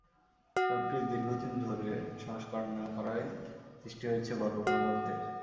সড়কটি দীর্ঘদিন ধরে সংস্কার না করায় সৃষ্টি হয়েছে বড় বড় গর্তের।